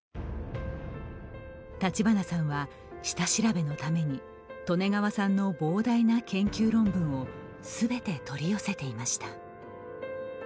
立花さんは、下調べのために利根川さんの膨大な研究論文をすべて取り寄せていました。